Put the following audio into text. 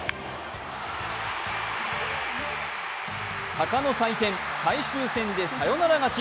鷹の祭典、最終戦でサヨナラ勝ち。